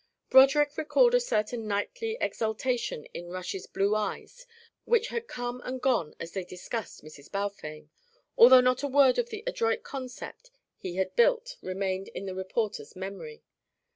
Broderick recalled a certain knightly exaltation in Rush's blue eyes which had come and gone as they discussed Mrs. Balfame, although not a word of the adroit concept he had built remained in the reporter's memory.